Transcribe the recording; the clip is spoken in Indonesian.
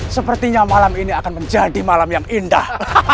sepertinya malam ini akan menjadi malam yang indah